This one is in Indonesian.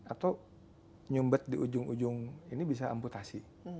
atau nyumbet di ujung ujung ini bisa amputasi